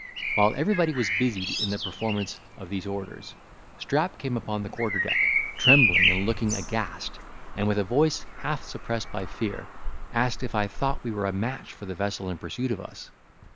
While every body was busied in the performance of these orders, Strap came upon the quarter deck, trembling and looking aghast, and, with a voice half suppressed by fear, asked if I thought we were a match for the vessel in pursuit of us.